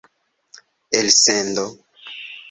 elsendo